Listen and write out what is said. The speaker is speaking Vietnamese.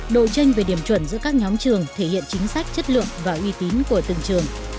đội tranh về điểm chuẩn giữa các nhóm trường thể hiện chính sách chất lượng và uy tín của từng trường